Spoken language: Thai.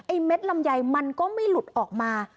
เม็ดลำไยมันก็ไม่หลุดออกมา